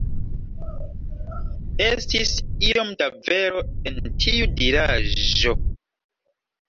Estis iom da vero en tiu diraĵo.